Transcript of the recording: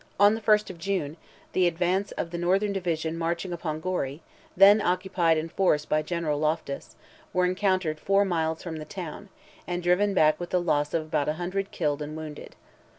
On the 1st of June, the advance of the northern division marching upon Gorey, then occupied in force by General Loftus, were encountered four miles from the town, and driven back with the loss of about a hundred killed and wounded.